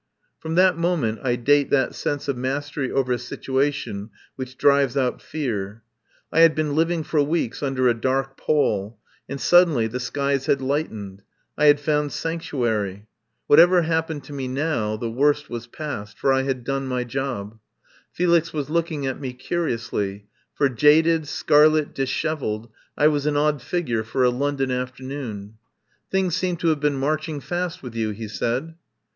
From that moment I date that sense of mastery over a situation which drives out fear. I had been living for weeks under a dark pall and suddenly the skies had light ened. I had found sanctuary. What 183 THE POWER HOUSE ever happened to me now the worst was past, for I had done my job. Felix was looking at me curiously, for, jaded, scarlet, dishevelled, I was an odd figure for a London afternoon. "Things seem to have been marching fast with you," he said.